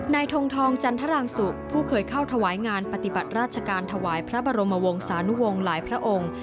ทงทองจันทรางสุผู้เคยเข้าถวายงานปฏิบัติราชการถวายพระบรมวงศานุวงศ์หลายพระองค์